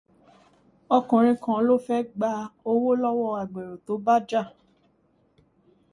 Ọkùnrin kan ló fẹ́ gba owó lọ́wọ́ agbèrò to báa jà